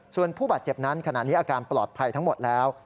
ส่วนผู้บาดเจ็บนั้นขณะนี้อาการปลอดภัยทั้งหมดแล้ว